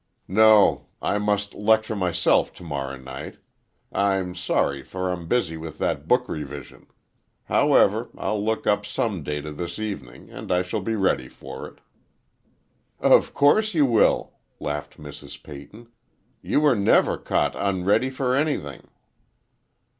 "No; I must lecture myself tomorrow night. I'm sorry, for I'm busy with that book revision. However, I'll look up some data this evening, and I shall be ready for it." "Of course you will," laughed Mrs. Peyton. "You were never caught unready for anything!"